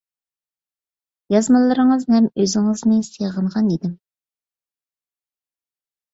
يازمىلىرىڭىزنى ھەم ئۆزىڭىزنى سېغىنغان ئىدىم.